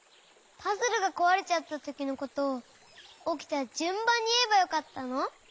パズルがこわれちゃったときのことをおきたじゅんばんにいえばよかったの？